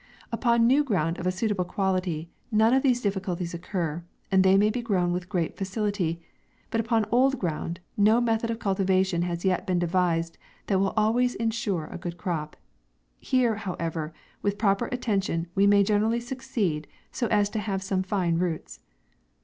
Upon new ground of a suitable quality, none of these difficulties occur, and they may be grown with great facility ; but upon old ground, no method of cultivation has been yet devised, that will always insure a good crop. Here, however, with proper at* tention, we may generally succeed so as to have some fine roots.